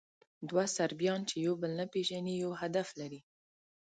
دوه صربیان، چې یو بل نه پېژني، یو هدف لري.